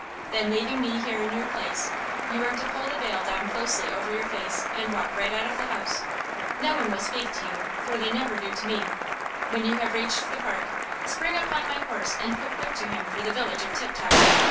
Then, leaving me here in your place, you are to pull the veil down closely over your face and walk right out of the house! No one will speak to you, for they never do to me. When you have reached the park, spring upon my horse and put whip to him for the village of Tip Top.